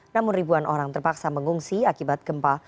namun ribuan orang terpaksa mengungsi akibat gempa